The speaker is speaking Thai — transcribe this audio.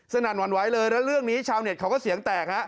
นั่นหวั่นไหวเลยแล้วเรื่องนี้ชาวเน็ตเขาก็เสียงแตกฮะ